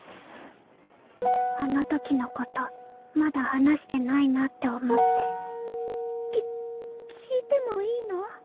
あのときのことまだ話してないなって思っき聞いてもいいの？